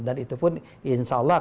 dan itu pun insya allah